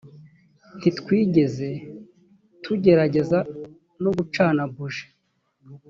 ntitwigeze tugerageza no gucana buji